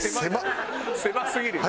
狭すぎるよ。